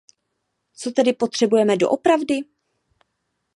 Co tedy potřebujeme doopravdy?